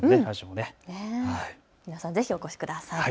皆さんぜひお越しください。